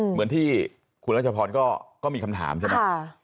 เหมือนที่คุณรัชพรก็มีคำถามใช่ไหม